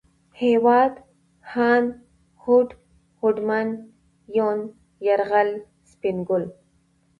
هېواد ، هاند ، هوډ ، هوډمن ، يون ، يرغل ، سپين ګل